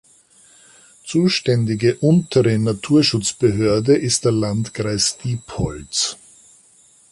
Zuständige untere Naturschutzbehörde ist der Landkreis Diepholz.